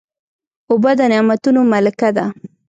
اوبه د نعمتونو ملکه ده.